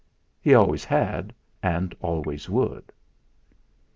He always had and always would.